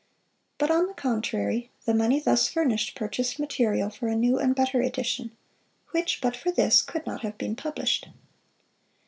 But on the contrary, the money thus furnished, purchased material for a new and better edition, which, but for this, could not have been published.